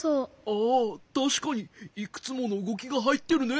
ああたしかにいくつものうごきがはいってるね。